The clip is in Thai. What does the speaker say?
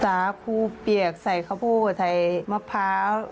สาคูเปียกใส่ข้าวโพดใส่มะพร้าว